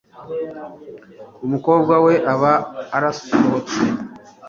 umukobwa we aba arasohotse